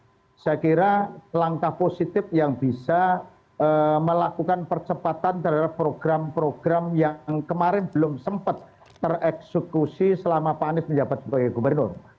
saya kira langkah positif yang bisa melakukan percepatan terhadap program program yang kemarin belum sempat tereksekusi selama pak anies menjabat sebagai gubernur